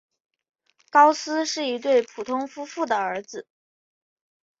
高斯是一对普通夫妇的儿子。